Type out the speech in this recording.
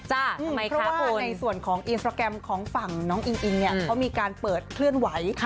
เพราะว่าในส่วนของอินสตราแกรมของฝั่งน้องอิงอิงเนี่ยเขามีการเปิดเคลื่อนไหว